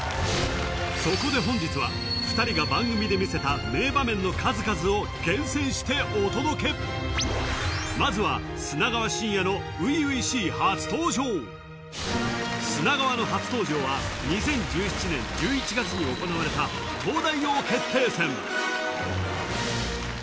そこで本日は２人が番組で見せた名場面の数々を厳選してお届けまずは砂川信哉の初々しい初登場砂川の初登場は２０１７年１１月に行われた東大王決定戦